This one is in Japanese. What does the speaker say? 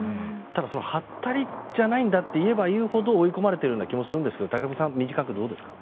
ただはったりじゃないといえばいうほど追い込まれているような気がするんですが武隈さん、短くどうですか？